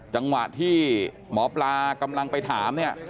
จังหวะที่หมอพรากำลังไปถาม